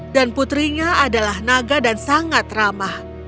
dan putrinya adalah naga dan sangat ramah